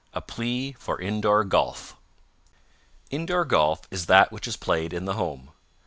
A PLEA FOR INDOOR GOLF Indoor golf is that which is played in the home.